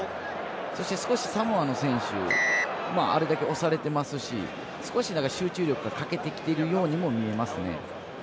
そして、少しサモアの選手あれだけ押されてますし、少し集中力が欠けているようにも見えますね。